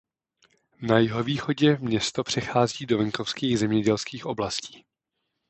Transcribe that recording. Na jihovýchodě město přechází do venkovských zemědělských oblastí.